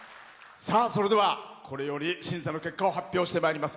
それでは、これより審査の結果を発表してまいります。